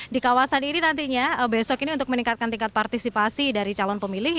di kawasan ini nantinya besok ini untuk meningkatkan tingkat partisipasi dari calon pemilih